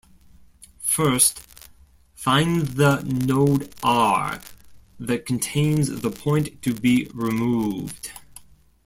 First, find the node R that contains the point to be removed.